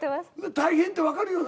大変ってわかるよな。